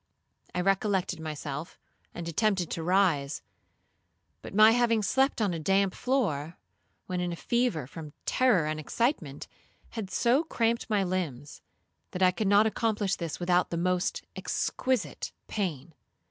I recollected myself, and attempted to rise; but my having slept on a damp floor, when in a fever from terror and excitement, had so cramped my limbs, that I could not accomplish this without the most exquisite pain.